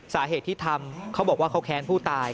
สาเหตุที่ทำเขาบอกว่าเขาแค้นผู้ตาย